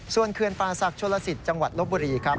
ส่วนเขื่อนป่าศักดิโชลสิตจังหวัดลบบุรีครับ